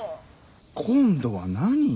今度は何？